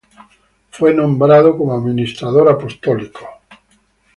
Fue nombrado como Administrador Apostólico mons.